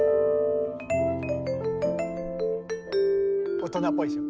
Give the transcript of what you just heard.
大人っぽいでしょ。